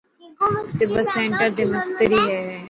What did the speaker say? تبت سينٽر تي مستري هي.